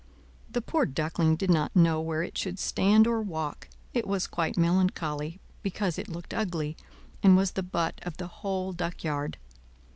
The poor Duckling did not know where it should stand or walk; it was quite melancholy because it looked ugly, and was the butt of the whole duckyard.